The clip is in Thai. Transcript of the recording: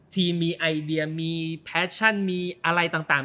ทีมมีไอเดียมีแฟชั่นมีอะไรต่าง